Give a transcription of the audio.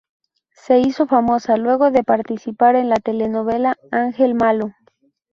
Se hizo famosa luego de participar en la telenovela "Ángel Malo".